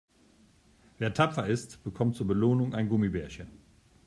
Wer tapfer ist, bekommt zur Belohnung ein Gummibärchen.